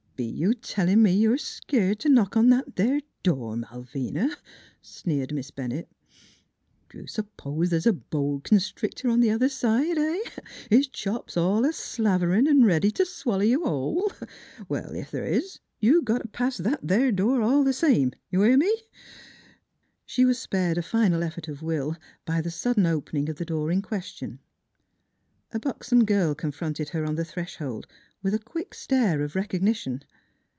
" Be you tellin' me you're skeered t' knock on that there door, Malvina?" sneered Miss Ben nett. " D' you s'pose th's a bo' constricter on th 1 other side hay? his chops all a slaverin' an' ready t' swaller you hull? Well, ef th' is, you got t' pass that there door, all th' same. You hear me!" She was spared a final effort of will by the sud den opening of the door in question. A buxom girl confronted her on the threshold with a quick stare of recognition.